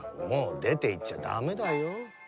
もうでていっちゃダメだよ。